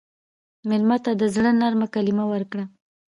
مېلمه ته د زړه نرمه کلمه ورکړه.